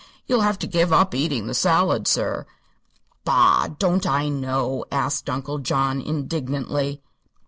You'll have to give up eating the salad, sir." "Bah! don't I know?" asked Uncle John, indignantly.